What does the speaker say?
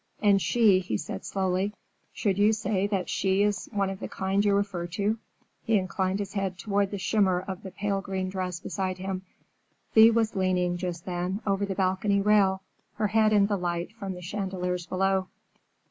"And she," he said slowly; "should you say that she is one of the kind you refer to?" He inclined his head toward the shimmer of the pale green dress beside him. Thea was leaning, just then, over the balcony rail, her head in the light from the chandeliers below.